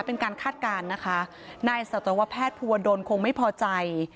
เป็นการคาดการณ์นะคะนายสัตวแพทย์ภูวดลคงไม่พอใจ